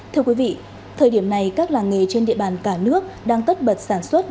thưa quý vị thời điểm này các làng nghề trên địa bàn cả nước đang tất bật sản xuất